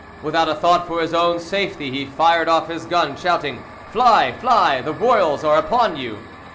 Without a thought for his own safety, he fired off his gun, shouting, "Fly! fly! The royals are upon you!"